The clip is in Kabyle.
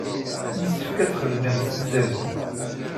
Yessefk ad txedmem s zzerb.